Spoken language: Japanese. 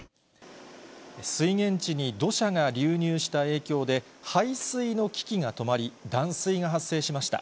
水源地に土砂が流入した影響で、配水の機器が止まり、断水が発生しました。